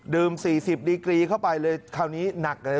ดื่มสี่สิบดีกรีเข้าไปเลยคราวนี้หนักนะฮะ